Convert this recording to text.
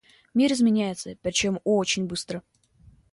Мир изменяется, причем очень быстро.